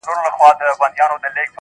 چي پیسې لري هغه د نر بچی دی,